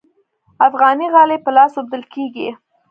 افغاني غالۍ په لاس اوبدل کیږي